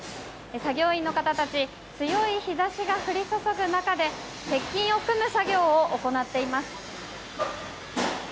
作業員の方たち強い日差しが降り注ぐ中で鉄筋を組む作業を行っています。